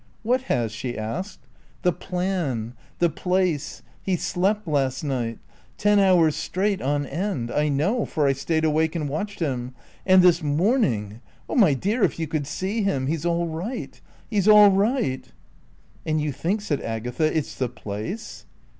"What has?" she asked. "The plan. The place. He slept last night. Ten hours straight on end. I know, for I stayed awake and watched him. And this morning oh, my dear, if you could see him! He's all right. He's all right." "And you think," said Agatha, "it's the place?"